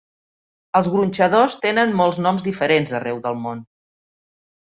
Els gronxadors tenen molts noms diferents arreu del món.